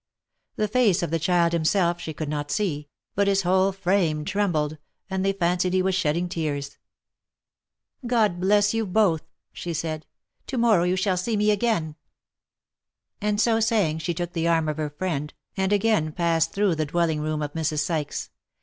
The face of the OF MICHAEL ARMSTRONG. 169 child himself, she could not see, but hiss whole frame trembled, and they fancied he was shedding tears. " God bless you both !" she said, " to morrow you shall see me again." And so saying she took the arm of her friend, and again passed through the dwelling room of Mrs. Sykes.